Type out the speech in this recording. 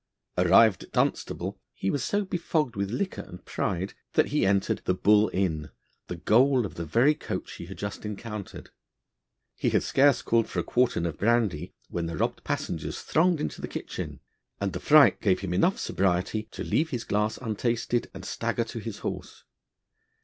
Arrived at Dunstable, he was so befogged with liquor and pride, that he entered the 'Bull Inn,' the goal of the very coach he had just encountered. He had scarce called for a quartern of brandy when the robbed passengers thronged into the kitchen; and the fright gave him enough sobriety to leave his glass untasted, and stagger to his horse.